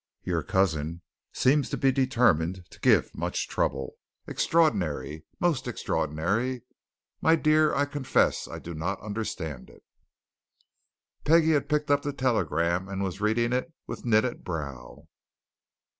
Your cousin seems to be determined to give much trouble. Extraordinary! most extraordinary! My dear, I confess I do not understand it." Peggie had picked up the telegram and was reading it with knitted brow.